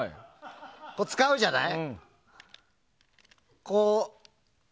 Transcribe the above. こう、使うじゃない？